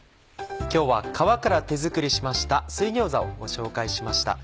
今日は皮から手作りしました「水餃子」をご紹介しました。